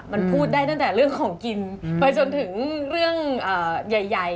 มันพูดได้ตั้งแต่เรื่องของกินไปจนถึงเรื่องใหญ่